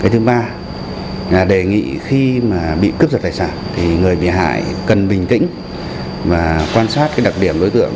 thứ ba là đề nghị khi bị cướp giật tài sản thì người bị hại cần bình tĩnh và quan sát đặc điểm đối tượng